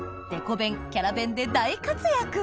弁キャラ弁で大活躍